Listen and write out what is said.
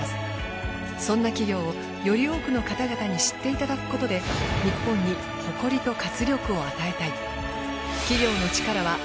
そんな企業をより多くの方々に知っていただくことで日本に誇りと活力を与えたい。